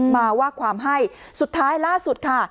มาว่าความให้สุดท้ายล่าสุดค่ะ